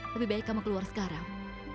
lebih baik kamu keluar sekarang